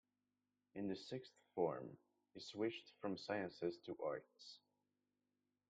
In the sixth form, he switched from sciences to arts.